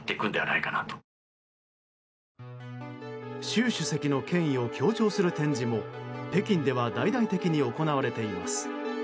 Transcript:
習主席の権威を強調する展示も北京では大々的に行われています。